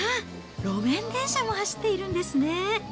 路面電車も走っているんですね。